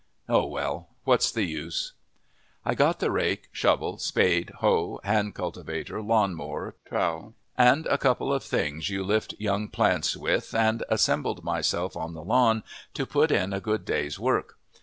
Oh, well, what's the use? I got the rake, shovel, spade, hoe, hand cultivator, lawn mower, trowel, and a couple of things you lift young plants with and assembled myself on the lawn to put in a good day's work.